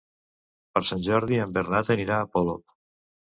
Per Sant Jordi en Bernat anirà a Polop.